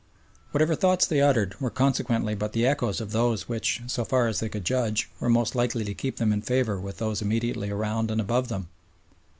Whatever thoughts they uttered were consequently but the echoes of those which, so far as they could judge, were most likely to keep them in favour with those immediately around and above them.